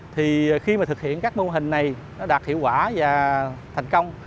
thì khi mà thực hiện các mô hình này nó đạt hiệu quả và thành công